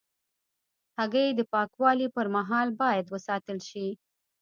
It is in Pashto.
هګۍ د پاکوالي پر مهال باید وساتل شي.